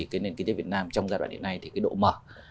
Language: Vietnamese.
cái nền kinh tế việt nam trong giai đoạn hiện nay thì cái độ mở